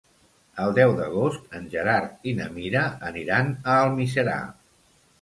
El deu d'agost en Gerard i na Mira aniran a Almiserà.